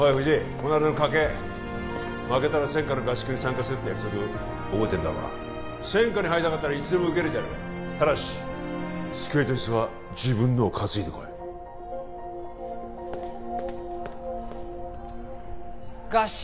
この間の賭け負けたら専科の合宿に参加するって約束覚えてんだろうな専科に入りたかったらいつでも受け入れてやるただし机と椅子は自分のを担いでこい合宿？